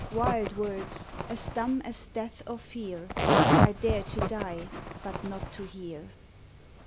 Wild words, as dumb as death or fear, I dare to die, but not to hear!